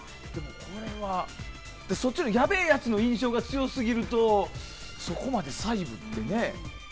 やべえやつの印象が強すぎるとそこまで、細部ってね。